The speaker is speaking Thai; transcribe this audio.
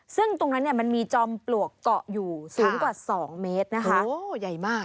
ซึ่งตรงนั้นเนี่ยมันมีจอมปลวกเกาะอยู่สูงกว่า๒เมตรนะคะโอ้ใหญ่มาก